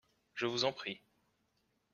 Je vous en prie.